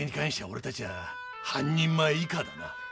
俺たちは半人前以下だな。